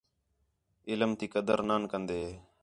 علم تی قدر نان کندین